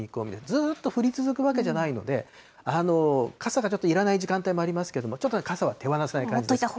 ずっと降り続くわけじゃないので、傘がちょっといらない時間帯もありますけども、ちょっと傘は手放せない感じです。